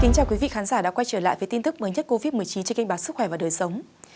chào các khán giả đã quay trở lại với tin tức mới nhất covid một mươi chín trên kênh ba sức khỏe và đời sống